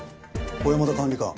小山田管理官